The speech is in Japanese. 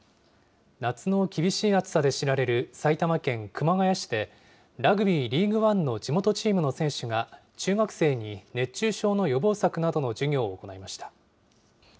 夏の厳しい暑さで知られる埼玉県熊谷市で、ラグビー、リーグワンの地元チームの選手が、中学生に熱中症の予防策などの授業を行いました。